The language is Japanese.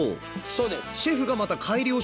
そうです。え。